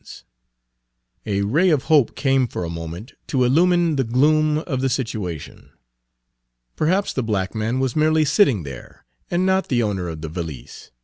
Page 118 A ray of hope came for a moment to illumine the gloom of the situation. Perhaps the black man was merely sitting there, and not the owner of the valise!